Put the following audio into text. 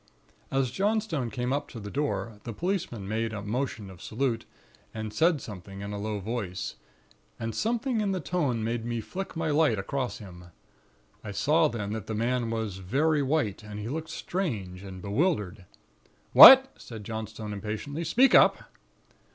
"As Johnstone came up to the door, the policeman made a motion of salute, and said something in a low voice; and something in the tone made me flick my light across him. I saw then that the man was very white, and he looked strange and bewildered. "'What?' said Johnstone impatiently. 'Speak up!'